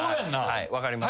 はい分かります。